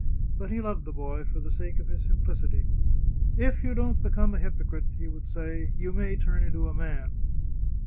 But he loved the boy for the sake of his simplicity. " If you don't become a hypocrite," he would say, " you may turn into a man